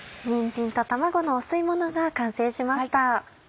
にんじんと卵のお吸い物が完成しました。